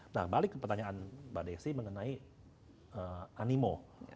nah balik ke pertanyaan mbak desi mengenai animo